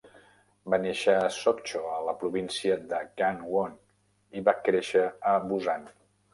Va néixer a Sokcho, a la província de Gangwon, i va créixer a Busan.